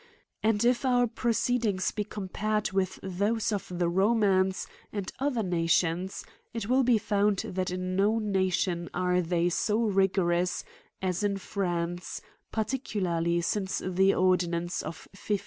And, if our proceedings be compa red with those of the Romans, and other nations, it will be found, that in no nation are they so rigo rous, as in France, particularly since the ordinance of 1539.